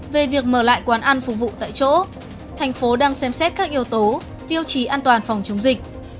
về việc mở lại quán ăn phục vụ tại chỗ thành phố đang xem xét các yếu tố tiêu chí an toàn phòng chống dịch